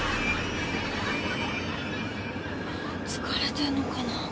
疲れてんのかな。